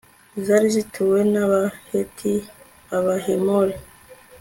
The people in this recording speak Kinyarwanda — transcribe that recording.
zari zituwe n'abaheti, abahemori